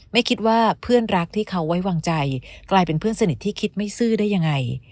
ไม่คิดว่าเพื่อนรักที่เขาไว้วางใจกลายเป็นเพื่อนสนิทที่คิดไม่ซื่อได้ยังไง